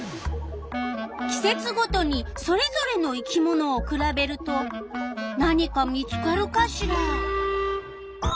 季節ごとにそれぞれの生き物をくらべると何か見つかるかしら？